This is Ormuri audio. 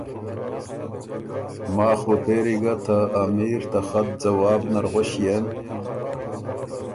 ماخ بُو پېری ګۀ ته امیر ته خط ځواب نر غؤݭيېن